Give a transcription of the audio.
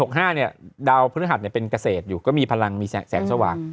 เหมือนกับเราเองนะเดาพื้นหัดเป็นเกษตรอยู่ก็มีพลังเซ็กสว่าง